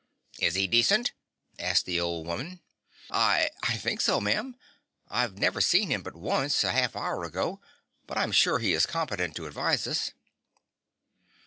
"Is he decent?" asked the old woman. "I I think so, ma'am. I've never seen him but once, a half hour ago. But I'm sure he is competent to advise us."